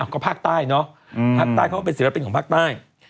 ก็ภาคใต้เนาะภาคใต้เขาก็เป็นศิลปินของภาคใต้